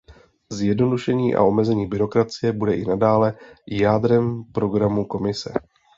Zjednodušení a omezení byrokracie bude i nadále jádrem programu Komise.